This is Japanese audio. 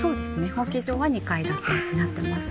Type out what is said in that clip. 法規上は２階建てになってます。